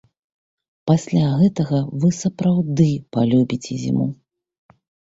Пасля гэтага вы сапраўды палюбіце зіму!!!